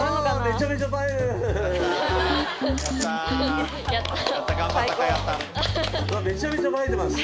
めちゃめちゃ映えてます